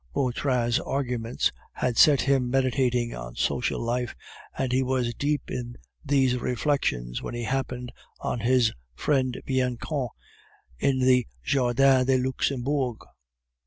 Vautrin's arguments had set him meditating on social life, and he was deep in these reflections when he happened on his friend Bianchon in the Jardin du Luxembourg.